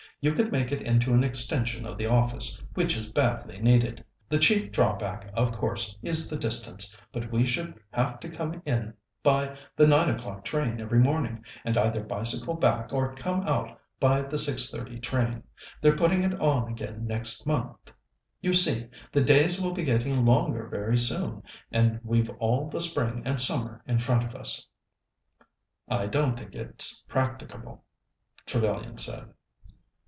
You could make it into an extension of the office, which is badly needed. The chief drawback, of course, is the distance, but we should have to come in by the 9 o'clock train every morning, and either bicycle back or come out by the 6.30 train. They're putting it on again next month. You see, the days will be getting longer very soon, and we've all the spring and summer in front of us." "I don't think it's practicable," Trevellyan said.